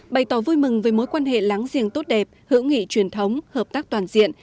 bày tỏ vui mừng với mối quan hệ láng giềng tốt đẹp hữu nghị truyền thống hợp tác toàn diện